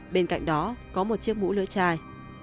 bên cạnh đó có một chiếc mũ lưỡi chai